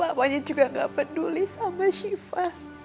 padahal papanya juga gak peduli sama siva